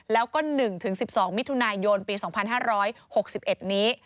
แล้วก็๑๑๒มิถุนายนปี๒๕๖๑นี้